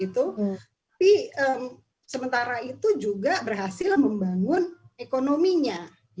tapi sementara itu juga berhasil membangun ekonominya